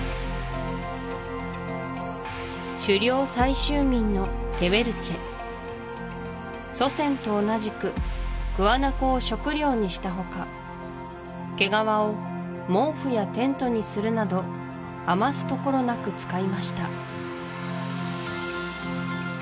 狩猟採集民のテウェルチェ祖先と同じくグアナコを食料にしたほか毛皮を毛布やテントにするなど余すところなく使いました